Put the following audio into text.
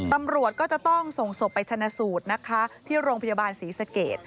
ตำรวจก็จะต้องส่งศพไปชนะสูตรนะคะที่โรงพยาบาลศรีสเกต